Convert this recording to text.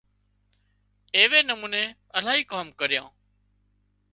ايوي نموني الاهي ڪام ڪريان